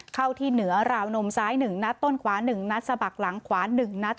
เข้าที่เหนือราวนมซ้าย๑นัดต้นขวา๑นัดสะบักหลังขวา๑นัด